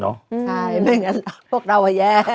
ใช่ไม่งั้นพวกเราแย่